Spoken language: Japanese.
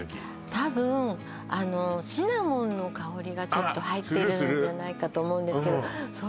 たぶんあのシナモンの香りがちょっと入ってるんじゃないかとあっするする！